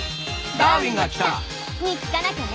「ダーウィンが来た！」。に聞かなきゃね。